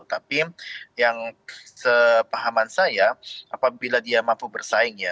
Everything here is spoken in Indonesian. tapi yang sepahaman saya apabila dia mampu bersaing ya